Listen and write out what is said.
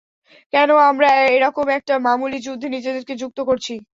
কেন আমরা এরকম একটা মামুলি যুদ্ধে নিজেদেরকে যুক্ত করছি?